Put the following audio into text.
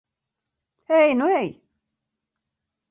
Ej nu ej!